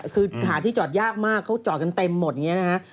คือหาที่จอดยากมากเขาจอดกันเต็มหมดอย่างนี้นะฮะ